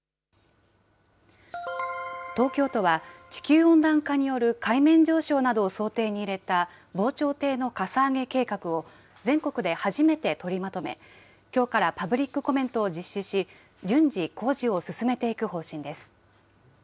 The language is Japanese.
東京都は地球温暖化による海面上昇などを想定に入れた防潮堤のかさ上げ計画を全国で初めて取りまとめ、きょうからパブリックコメントを実施し、順次工事を進めていく方針です。